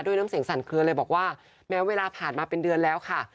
น้ำเสียงสั่นเคลือเลยบอกว่าแม้เวลาผ่านมาเป็นเดือนแล้วค่ะ